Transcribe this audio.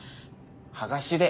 剥がしで。